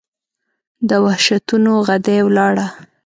د وحشتونو ، غدۍ وَلاړه